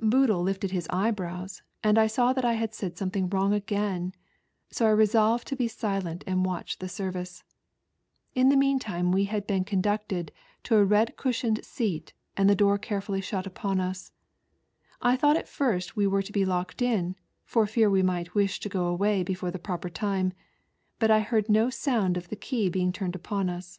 Boodle lifted his eyebrows, and I saw that I had said something wrong again, so I resolved to be silent and watch the service. In the meantime we had been conducted to a red cushioned seat and the door carefully shut upon na. I thought at first we ' were to be locked in, for fear we might wish to go away before the proper time, but I heard no sound of the key being turned upon us.